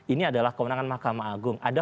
ini adalah kewenangan mahkamah agung ada